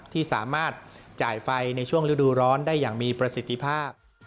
ที่สามารถจ่ายไฟในช่วงฤดูร้อนได้อย่างมีประสิทธิภาพ